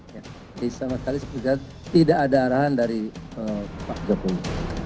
jadi sama sekali tidak ada arahan dari pak jokowi